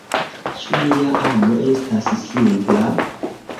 Ĉu nia amo estas simpla?